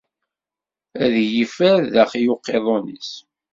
A iyi-iffer daxel n uqiḍun-is.